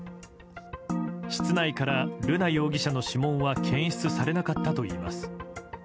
室内から瑠奈容疑者の指紋は検出されなかったといいます。